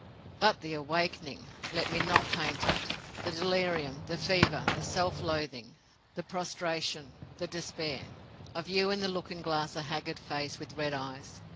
But the awakening! Let me not paint it. The delirium, the fever, the self loathing, the prostration, the despair. I view in the looking glass a haggard face, with red eyes.